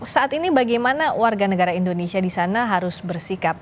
saat ini bagaimana warga negara indonesia di sana harus bersikap